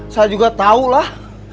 saya juga tahulah